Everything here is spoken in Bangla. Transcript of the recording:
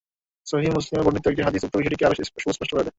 সহীহ মুসলিমে বর্ণিত একটি হাদীস উক্ত বিষয়টিকে আরও সুস্পষ্ট করে দেয়।